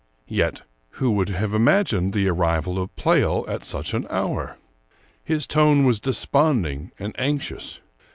Yet who would have imagined the arrival of Pleyel at such an hour? His tone was desponding and anxious.